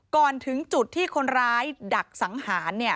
ก่อนถึงจุดที่คนร้ายดักสังหาร